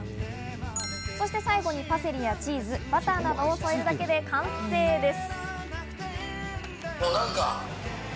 そして最後にパセリやチーズ、バターなどを添えるだけで完成です。